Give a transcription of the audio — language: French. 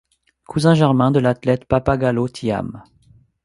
Cousin germain de l'athlète Papa Gallo Thiam.